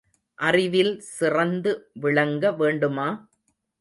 அறிவில் சிறந்து விளங்க வேண்டுமா?